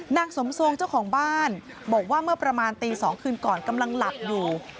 นางสมทรงเจ้าของบ้านบอกว่าเมื่อประมาณตี๒คืนก่อนกำลังหลับอยู่